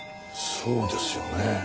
そうですよね。